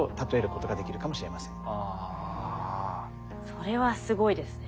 それはすごいですね。